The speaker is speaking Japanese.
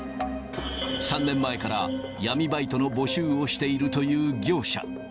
３年前から闇バイトの募集をしているという業者。